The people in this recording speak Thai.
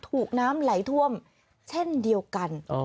ถูกน้ำไหลท่วมเช่นเดียวกัน